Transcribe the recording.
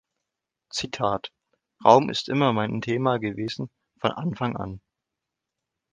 Zitat: "„Raum ist immer mein Thema gewesen, von Anfang an.